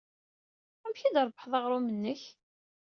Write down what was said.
Amek ay d-trebbḥeḍ aɣrum-nnek?